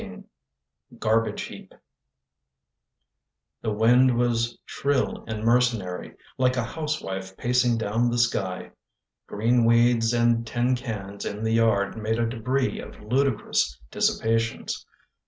GARBAGE HEAP THE wind was shrill and mercenary, Like a housewife pacing down the sky. Green weeds and tin cans in the yard Made a debris of ludicrous dissipations.